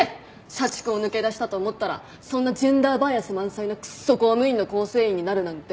社畜を抜け出したと思ったらそんなジェンダーバイアス満載のクソ公務員の構成員になるなんて。